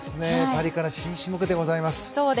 パリから新種目でございます。